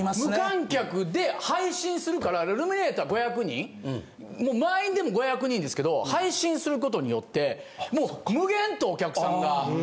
無観客で配信するからルミネやったら５００人満員でも５００人ですけど配信することによってもう無限とお客さんが。